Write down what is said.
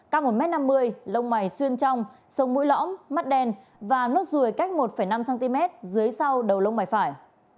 cao một m năm mươi lông mày xuyên trong sông mũi lõm mắt đen và nốt ruồi cách một năm cm dưới sau đầu lông mày phải